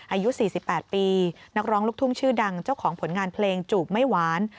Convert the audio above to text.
อายุ๔๘ปีนักร้องลูกทุ่งชื่อดังเจ้าของผลงานเพลงจูบไม่หวาน